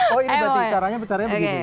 oh ini berarti caranya bicaranya begini